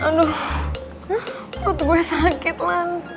aduh waktu gua sakit man